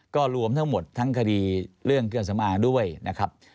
ก็รวมทั้งหมดทั้งคดีเรื่องเครื่องสำอางด้วยนะครับ